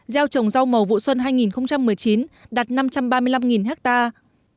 gieo trồng rau màu vụ xuân hai nghìn một mươi chín đạt năm trăm ba mươi năm hectare